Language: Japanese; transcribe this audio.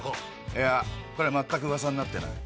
いやこれは全くウワサになってない。